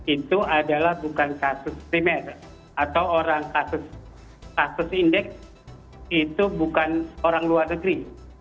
itu adalah bukan kasus primer atau orang kasus indeks itu bukan orang luar negeri